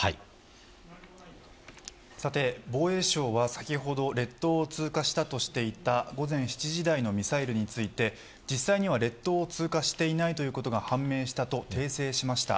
防衛省は先ほど列島を通過したとしていた午前７時台のミサイルについて実際には列島を通過していないということが判明したと訂正しました。